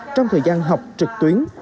trong thời gian học trực tuyến